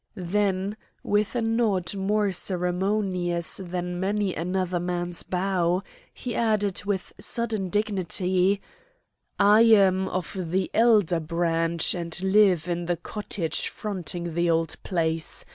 Then, with a nod more ceremonious than many another man's bow, he added, with sudden dignity: "I am of the elder branch and live in the cottage fronting the old place.